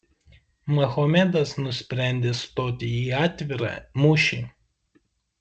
Mahometas nusprendė stoti į atvirą mūšį.